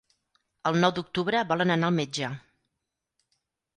El nou d'octubre volen anar al metge.